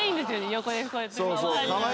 横にこうやって。